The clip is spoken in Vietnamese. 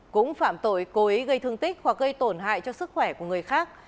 cũng phạm tội cố ý gây thương tích hoặc gây tổn hại cho sức khỏe của người khác